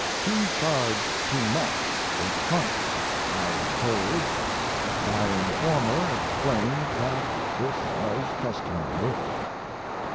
He charged too much for the trunks, I was told. My informer explained that this was customary.